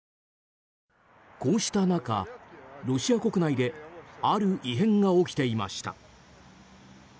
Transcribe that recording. こうした中、ロシア国内である異変が起きていました。